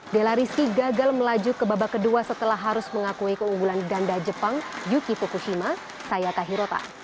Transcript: della rizky gagal melaju ke babak kedua setelah harus mengakui keunggulan ganda jepang yuki fukushima sayaka hirota